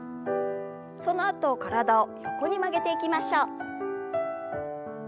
そのあと体を横に曲げていきましょう。